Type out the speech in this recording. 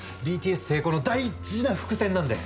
ＢＴＳ成功の大事な伏線なんで。